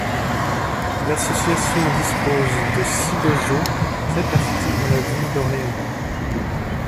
L'association dispose de six dojos répartis dans la ville d'Orléans.